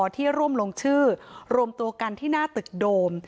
ที่ร่วมลงชื่อรวมตัวกันที่หน้าตึกโดม